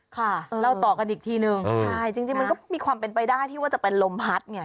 ค่ะเล่าต่อกันอีกทีนึงใช่จริงมันก็มีความเป็นไปได้ที่ว่าจะเป็นลมพัดไง